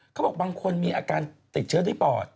เขาบอกบางคนมีอาการติดเชื้อด้วยปอด